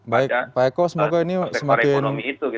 pada ekonomi itu